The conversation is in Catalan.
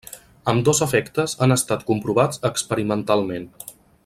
Ambdós efectes han estat comprovats experimentalment.